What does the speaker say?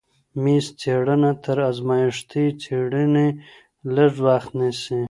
میز څېړنه تر ازمایښتي څېړنې لږ وخت نیسي.